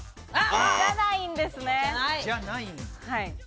じゃないんですね。